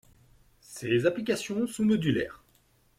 Ces applications sont modulaires.